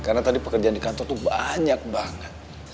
karena tadi pekerjaan di kantor tuh banyak banget